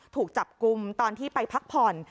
ถูกจับกลุ่มตอนที่ไปพักผ่อน